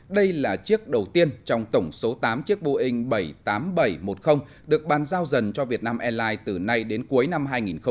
đây là chiếc đầu tiên trong tổng số tám chiếc boeing bảy trăm tám mươi bảy một mươi được ban giao dần cho việt nam airlines từ nay đến cuối năm hai nghìn hai mươi